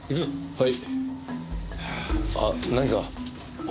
はい。